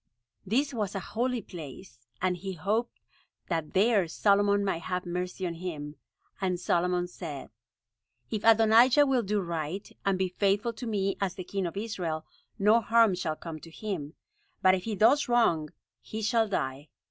This was a holy place, and he hoped that there Solomon might have mercy on him. And Solomon said: "If Adonijah will do right, and be faithful to me as the king of Israel, no harm shall come to him; but if he does wrong, he shall die."